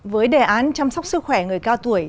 với đề án chăm sóc sức khỏe người cao tuổi